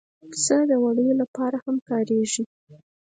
پسه د وړیو لپاره هم کارېږي.